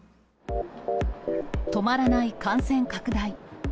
止まらない感染拡大。